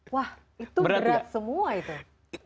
wah itu berat semua itu